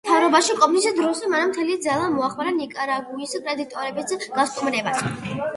მთავრობაში ყოფნის დროს მან მთელი ძალა მოახმარა ნიკარაგუის კრედიტორების გასტუმრებას.